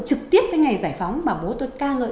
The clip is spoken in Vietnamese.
trực tiếp cái ngày giải phóng mà bố tôi ca ngợi